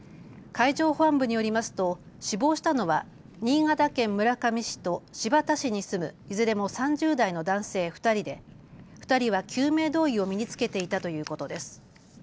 海上保安部によりますと死亡したのは新潟県村上市と新発田市に住むいずれも３０代の男性２人で２人は救命胴衣を身に着けていたということです。